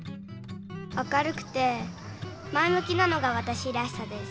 明るくて前むきなのがわたしらしさです。